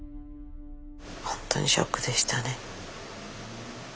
本当にショックでしたね。